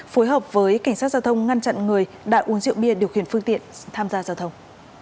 phối hợp với cảnh sát giao thông ngăn chặn người đã uống rượu bia điều khiển phương tiện tham gia giao thông